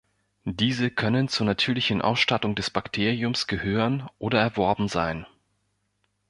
Diese können zur natürlichen Ausstattung des Bakteriums gehören oder erworben sein.